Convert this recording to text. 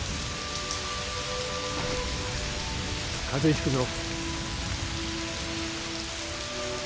風邪ひくぞ。